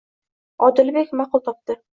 Odilbek ma'qul topdi.